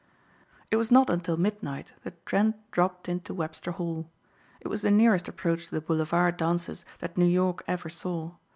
It was not until midnight that Trent dropped into Webster Hall. It was the nearest approach to the boulevard dances that New York ever saw.